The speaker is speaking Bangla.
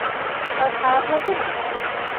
তার খারাপ লাগবে না।